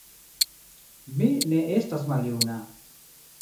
Mi ne estas maljuna